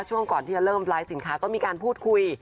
ช่วงก่อนที่จะเริ่มไลฟ์สินค้าก็มีการพูดคุย